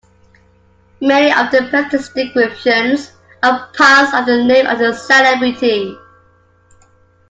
Many of the pets' descriptions are puns on the name of the celebrity.